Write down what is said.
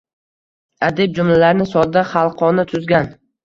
Adib jumlalarni sodda, xalqona tuzgan.